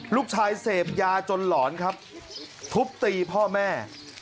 ลูกชายเสพยาจนหลอนครับทุบตีพ่อแม่